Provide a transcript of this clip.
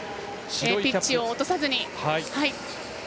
ピッチを落とさずに。